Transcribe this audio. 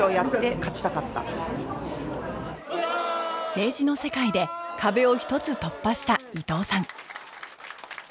政治の世界で壁を一つ突破した伊藤さん